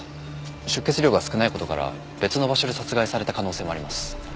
出血量が少ない事から別の場所で殺害された可能性もあります。